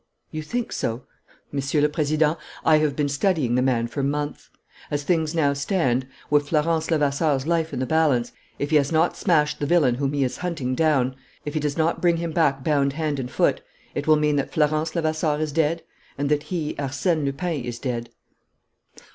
"You think so?" "Monsieur le Président, I have been studying the man for months. As things now stand, with Florence Levasseur's life in the balance, if he has not smashed the villain whom he is hunting down, if he does not bring him back bound hand and foot, it will mean that Florence Levasseur is dead and that he, Arsène Lupin, is dead."